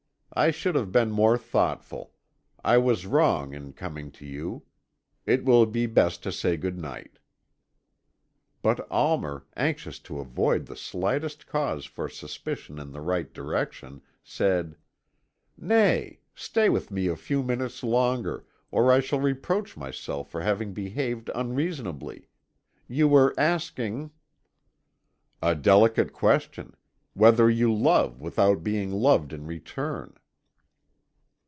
I should have been more thoughtful; I was wrong in coming to you. It will be best to say good night." But Almer, anxious to avoid the slightest cause for suspicion in the right direction, said: "Nay, stay with me a few minutes longer, or I shall reproach myself for having behaved unreasonably. You were asking " "A delicate question. Whether you love without being loved in return?"